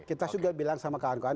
kita juga bilang sama kawan kawan